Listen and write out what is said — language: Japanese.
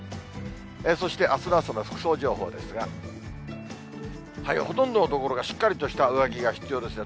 そして、あすの朝の服装情報ですが、ほとんどの所がしっかりとした上着が必要ですね。